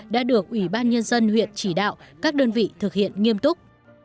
đã được ủy ban nhân dân huyện chỉ đạo các đơn vị thực hiện nghiêm túc